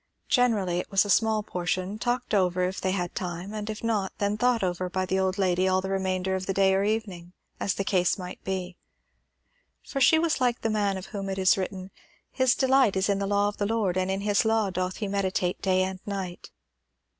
Generally it was a small portion, talked over if they had time, and if not, then thought over by the old lady all the remainder of the day or evening, as the case might be. For she was like the man of whom it is written "His delight is in the law of the Lord, and in his law doth he meditate day and night."